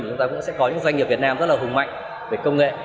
chúng ta cũng sẽ có những doanh nghiệp việt nam rất là hùng mạnh về công nghệ